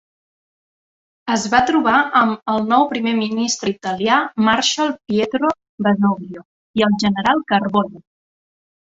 Es va trobar amb el nou primer ministre italià, Marshal Pietro Badoglio i el general Carboni.